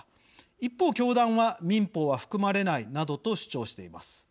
一方、教団は「民法は含まれない」などと主張しています。